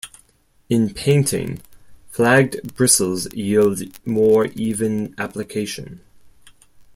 In painting, flagged bristles yield more even application.